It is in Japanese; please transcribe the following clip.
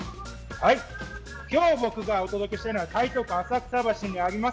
今日僕がお届けしたいのは台東区浅草橋にあります